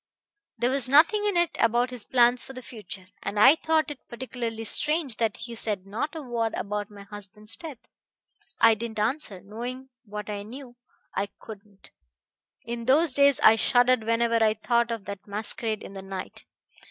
There was nothing in it about his plans for the future, and I thought it particularly strange that he said not a word about my husband's death. I didn't answer. Knowing what I knew, I couldn't. In those days I shuddered whenever I thought of that masquerade in the night.